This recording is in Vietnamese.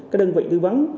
các đơn vị tư vấn